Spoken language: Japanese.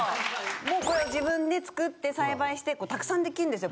もうこれを自分で作って栽培してたくさんできるんですよ